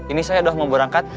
ini saya sudah mau berangkat